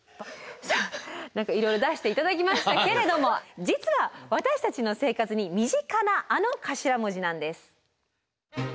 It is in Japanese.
何かいろいろ出して頂きましたけれども実は私たちの生活に身近なあの頭文字なんです。